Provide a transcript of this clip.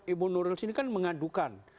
ibu nuril sini kan mengadukan